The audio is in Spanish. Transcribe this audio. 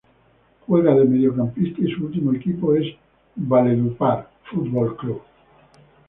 Juega de mediocampista y su ultimo equipo es valledupar futbol club.